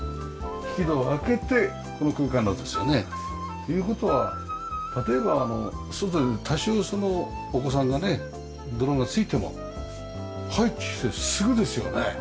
引き戸を開けてこの空間だったんですよね。という事は例えば外で多少お子さんがね泥が付いても入ってきてすぐですよね。